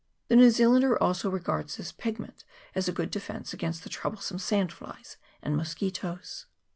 The New Zealander also regards this pigment as a good defence against the trouble some sandflies and musquittos.